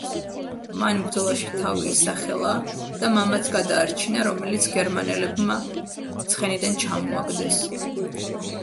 მან ბრძოლაში თავი ისახელა და მამაც გადაარჩინა, რომელიც გერმანელებმა ცხენიდან ჩამოაგდეს.